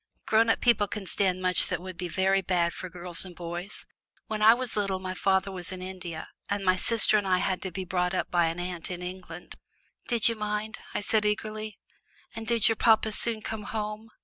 "Grown up people can stand much that would be very bad for girls and boys. When I was little my father was in India, and my sister and I had to be brought up by an aunt in England." "Did you mind?" I said eagerly. "And did your papa soon come home?